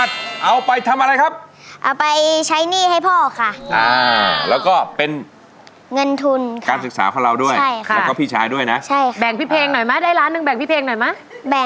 ให้เท่าไหร่ให้เท่าไหร่ครับ